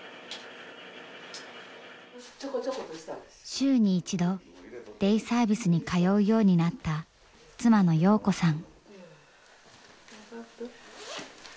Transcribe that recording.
週に一度デイサービスに通うようになった妻の洋子さん。